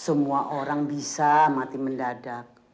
semua orang bisa mati mendadak